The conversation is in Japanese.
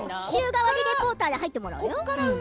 週替わりリポーターで入ってもらうよ。